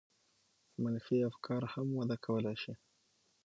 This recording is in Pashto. منفي افکار هم وده کولای شي.